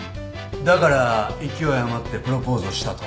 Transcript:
だから勢い余ってプロポーズをしたと。